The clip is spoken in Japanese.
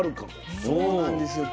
そうなんですよ。